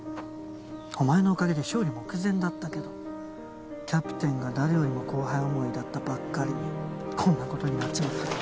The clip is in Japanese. お前のおかげで勝利目前だったけどキャプテンが誰よりも後輩思いだったばっかりにこんな事になっちまって。